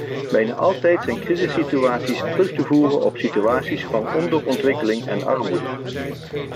Bijna altijd zijn crisissituaties terug te voeren op situaties van onderontwikkeling en armoede.